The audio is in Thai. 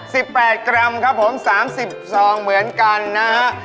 แปดกรัมครับผมสามสิบซองเหมือนกันนะฮะ